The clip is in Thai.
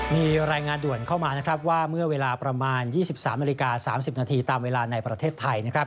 มีรายงานด่วนเข้ามาว่าเมื่อเวลาประมาณ๒๓นาฬิกา๓๐นาทีตามเวลาในประเทศไทย